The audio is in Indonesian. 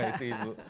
ya itu ibu